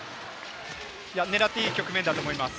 狙っていい局面だと思います。